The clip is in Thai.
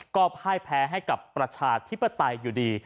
ก็พ่ายแพ้ให้กับประชาธิปไตยอยู่ดี